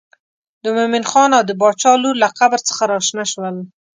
د مومن خان او د باچا لور له قبر څخه راشنه شول.